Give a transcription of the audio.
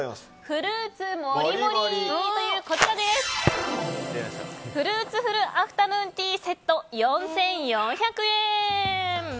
フルーツフルアフタヌーンティーセット４４００円。